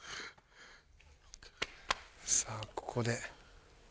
さあここで。